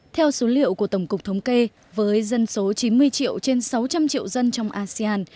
theo số liệu của tổng cục thống kê với dân số chín mươi triệu trên sáu trăm linh triệu dân trong asean